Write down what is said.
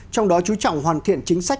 trong đó chú trọng hoàn thiện chính sách